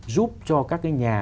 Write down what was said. giúp cho các cái nhà